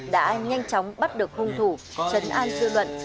đã nhanh chóng bắt được hung thủ chấn an dư luận